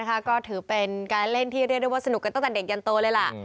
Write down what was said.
ก็ถือเป็นการเล่นที่เรียกได้ว่าสนุกกันตั้งแต่เด็กยันโตเลยล่ะ